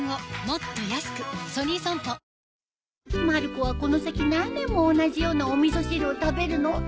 まる子はこの先何年も同じようなお味噌汁を食べるの？